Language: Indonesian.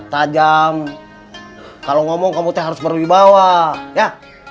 target game saya katie